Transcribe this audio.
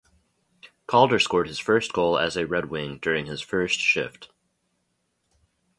Calder scored his first goal as a Red Wing during his first shift.